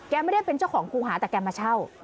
ไม่ได้เป็นเจ้าของครูหาแต่แกมาเช่า